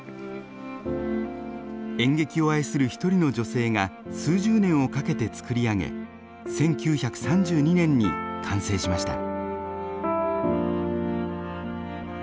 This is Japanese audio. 演劇を愛する一人の女性が数十年をかけてつくり上げ１９３２年に完成しました。